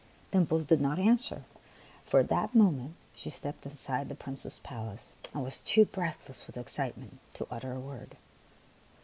Dimples did not answer, for at that moment she stepped inside the Prince's palace and was too breathless with excitement to utter a word.